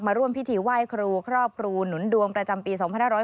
ร่วมพิธีไหว้ครูครอบครูหนุนดวงประจำปี๒๕๖๐